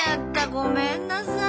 ごめんなさい。